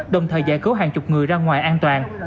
đồng thời giải cứu hàng chục người ra ngoài an toàn